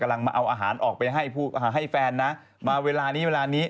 กำลังมาเอาอาหารออกไปให้แฟนนะมาเวลานี้เวลานี้